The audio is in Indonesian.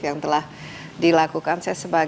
yang telah dilakukan